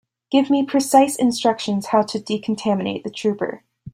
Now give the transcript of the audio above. Give me precise instructions how to decontaminate the trooper.